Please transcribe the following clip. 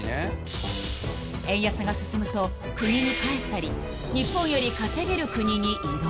［円安が進むと国に帰ったり日本より稼げる国に移動］